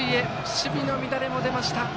守備の乱れも出ました。